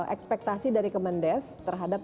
ekspektasi dari bumdes terhadap